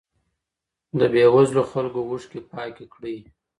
د بې وزلو خلګو اوښکې پاکې کړئ.